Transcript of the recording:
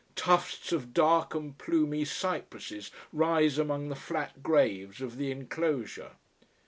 Tufts of dark and plumy cypresses rise among the flat graves of the enclosure.